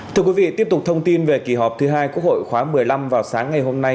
thưa quý vị tiếp tục thông tin về kỳ họp thứ hai quốc hội khóa một mươi năm vào sáng ngày hôm nay